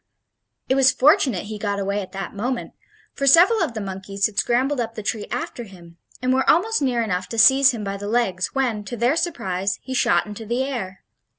It was fortunate he got away at that moment, for several of the monkeys had scrambled up the tree after him, and were almost near enough to seize him by the legs when, to their surprise, he shot into the air.